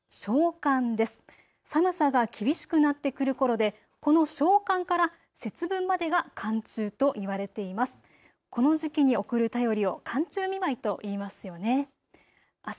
寒さが厳しくなってくるころで、この小寒から節分までが寒中と言われています。